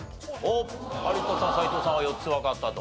有田さん斎藤さんは４つわかったと。